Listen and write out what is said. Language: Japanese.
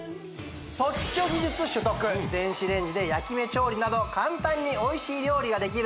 特許技術取得電子レンジで焼き目料理など簡単においしい料理ができる